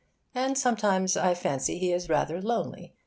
And sometimes I fancy he is rather lonely.